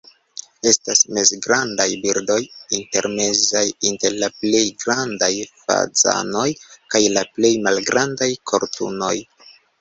Estas mezgrandaj birdoj, intermezaj inter la plej grandaj fazanoj kaj la plej malgrandaj koturnoj.